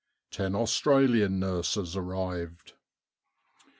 Ten Australian nurses arrived.